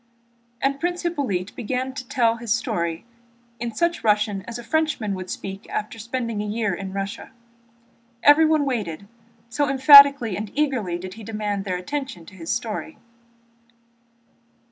And Prince Hippolyte began to tell his story in such Russian as a Frenchman would speak after spending about a year in Russia. Everyone waited, so emphatically and eagerly did he demand their attention to his story.